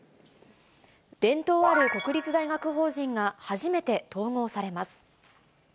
伝統ある国立大学法人が、初めて統合されます。